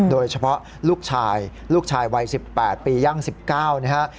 โดยเฉพาะลูกชายลูกชายวัย๑๘ปียั่ง๑๙นะครับ